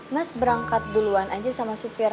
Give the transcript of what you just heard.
mas berangkat duluan aja sama supir